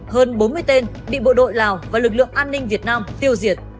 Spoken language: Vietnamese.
hơn bốn mươi tên bị bộ đội lào và lực lượng an ninh việt nam tiêu diệt